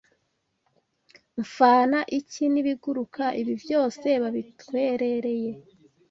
Mfana iki n’ibiguruka Ibi byose babitwerereye